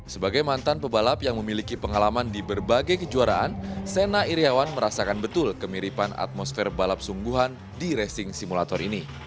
sebagai mantan pebalap yang memiliki pengalaman di berbagai kejuaraan sena iryawan merasakan betul kemiripan atmosfer balap sungguhan di racing simulator ini